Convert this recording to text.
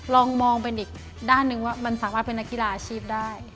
ลองมองเป็นอีกด้านหนึ่งว่ามันสามารถเป็นนักกีฬาอาชีพได้